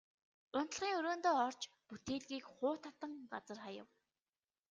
Унтлагын өрөөндөө орж бүтээлгийг хуу татан газар хаяв.